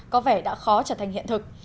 có vẻ đã khó trở thành hiện thực